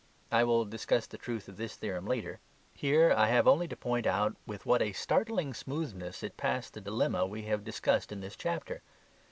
I will discuss the truth of this theorem later. Here I have only to point out with what a startling smoothness it passed the dilemma we have discussed in this chapter.